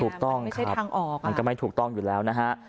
ถูกต้องครับมันไม่ใช่ทางออกมันก็ไม่ถูกต้องอยู่แล้วนะฮะ